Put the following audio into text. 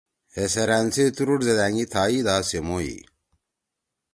ہے سیرأن سی تُورُوڑ زید أنگی تھائی دا سے موئی۔